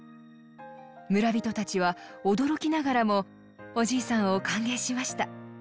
村人たちは驚きながらもおじいさんを歓迎しました。